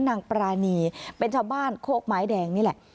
นางปรานีเป็นชาวบ้านโคกไม้แดงนี่แหละ